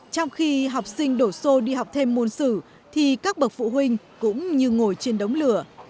trong khi học sinh đổ xô đi học thêm môn sử thì các bậc phụ huynh cũng như ngồi trên đống lửa